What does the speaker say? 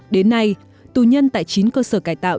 đến nay tù nhân tại chín cơ sở cải tạo